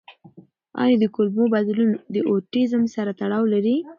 آیا د کولمو بدلون د اوټیزم سره تړاو لري؟